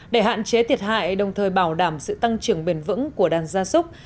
để hạn chế thiệt hại đồng thời bảo đảm sự tăng trưởng bền vững của đàn gia súc